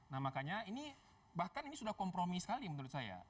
nah makanya ini bahkan ini sudah kompromi sekali menurut saya